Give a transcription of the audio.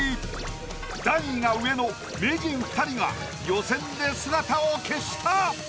段位が上の名人２人が予選で姿を消した。